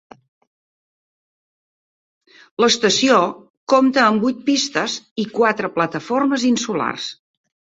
L'estació compta amb vuit pistes i quatre plataformes insulars.